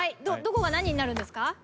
どこが何になるんですか？